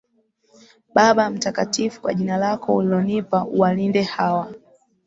Baba mtakatifu kwa jina lako ulilonipa uwalinde hawa